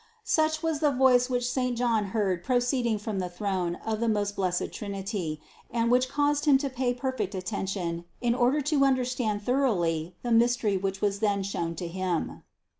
Such was the voice which saint John heard proceeding from the throne of the most blessed Trinity and which caused him to pay perfect attention, in order to under stand thoroughly the mystery which was then shown to him.